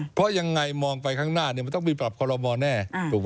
เพราะยังไงมองไปข้างหน้ามันต้องมีปรับคอลโลมอลแน่ถูกไหม